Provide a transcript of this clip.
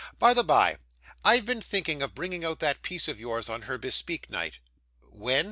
By the bye, I've been thinking of bringing out that piece of yours on her bespeak night.' 'When?